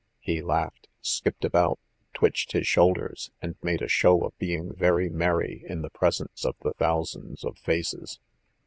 He laughed, skipped about, twitched his shoulders, and made a show of being very merry in the presence of the thousands of faces.